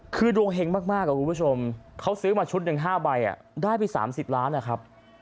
คือดวงเฮ้งมากครับคุณผู้ชมเขาซื้อมาชุดหนึ่งห้าใบอ่ะได้ไปสามสิบล้านอ่ะครับ